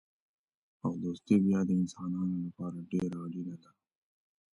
او دوستي بیا د انسانانو لپاره ډېره اړینه ده.